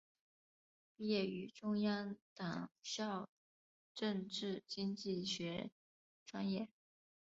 毕业于中央党校政治经济学专业。